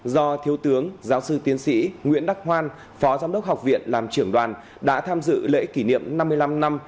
do thiếu tướng giáo sư tiến sĩ nguyễn đắc hoan phó giám đốc học viện làm trưởng đoàn đã tham dự lễ kỷ niệm năm mươi năm năm